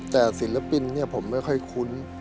แต่ศิลปินเนี่ยผมไม่ค่อยคุ้น